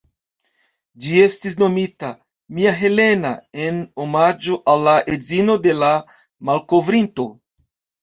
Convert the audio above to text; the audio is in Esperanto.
Ĝi estis nomita ""Mia Helena"" en omaĝo al la edzino de la malkovrinto.